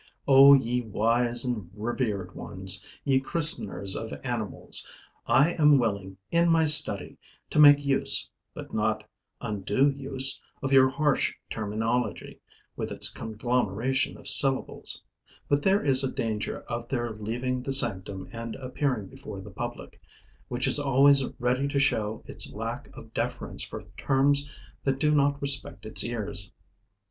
O ye wise and revered ones, ye christeners of animals, I am willing, in my study, to make use but not undue use of your harsh terminology, with its conglomeration of syllables; but there is a danger of their leaving the sanctum and appearing before the public, which is always ready to show its lack of deference for terms that do not respect its ears.